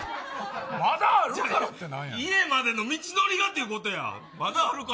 家までの道のりがということや。